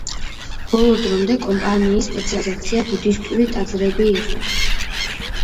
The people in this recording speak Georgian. ბოლო დრომდე კომპანიის სპეციალიზაცია ბუდისტური ტაძრები იყო.